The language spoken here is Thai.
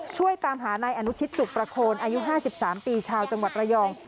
ช่วยตามหานายอนุชิตสุขประโคนอายุ๕๓ปีชาวจังหวัดระยอง